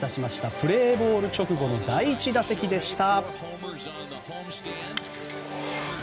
プレーボール直後の第１打席でした。